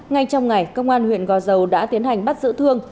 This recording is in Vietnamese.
ngay trong ngày công an huyện gò dầu đã tiến hành bắt giữ thương